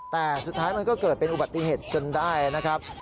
แต่สุดท้ายมันก็เกิดเป็นอุบัติเหตุจนได้นะครับ